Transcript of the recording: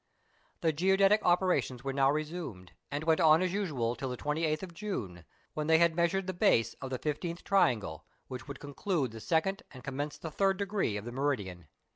The geodetic operations were now resumed, and went on as usual till the 28th of June, when they had measured the base of the 15th triangle, which would conclude the second and commence the third degree of the meridian.